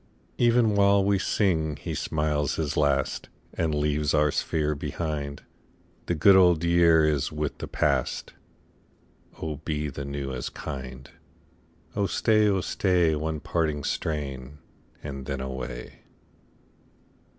37 Even while we sing he smiles his last And leaves our sphere behind. The good old year is with the past ; Oh be the new as kind ! Oh staj, oh stay, One parting strain, and then away.